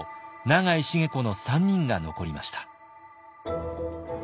永井繁子の３人が残りました。